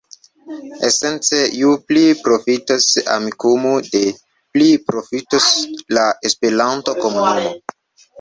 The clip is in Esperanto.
Esence, ju pli profitos Amikumu, des pli profitos la Esperanto-komunumo.